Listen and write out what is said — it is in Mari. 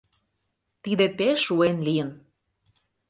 Тиде пеш шуэн лийын...